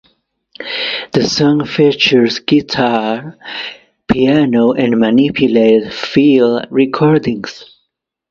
The song features guitar, piano and manipulated field recordings.